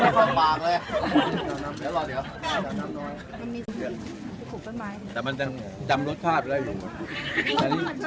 ป่าชอบข้าแสดงจะจำรู้เท่ามีไม้เนื้อค่ะ